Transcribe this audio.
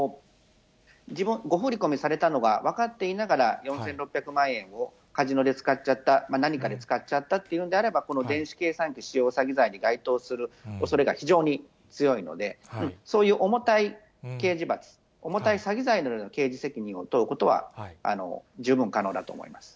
誤振り込みされたのが分かっていながら、４６００万円をカジノで使っちゃった、何かに使っちゃったっていうんであれば、この電子計算機使用詐欺罪に該当するおそれが非常に強いので、そういう重たい刑事罰、重たい詐欺罪のような刑事責任を問うことは、十分可能だと思います。